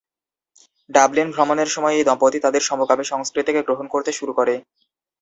Dublin ভ্রমণের সময় এই দম্পতি তাদের সমকামী সংস্কৃতিকে গ্রহণ করতে শুরু করে।